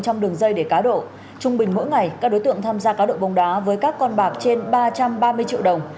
trong đường dây để cá độ trung bình mỗi ngày các đối tượng tham gia cá độ bóng đá với các con bạc trên ba trăm ba mươi triệu đồng